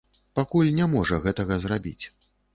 Пакуль не можа гэтага зрабіць.